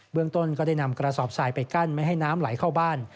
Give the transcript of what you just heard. เมืองต้นก็ได้นำกระสอบทรายไปกั้นไม่ให้น้ำไหลเข้าบ้าน